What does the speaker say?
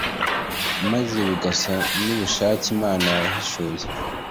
maze bigasa n'ubushake Imana yahishuye,